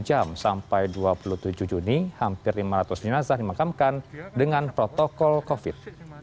jam sampai dua puluh tujuh juni hampir lima ratus jenazah dimakamkan dengan protokol covid sembilan belas